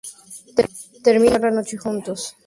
Terminan por pasar la noche juntos sin sexo.